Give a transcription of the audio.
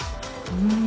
うん！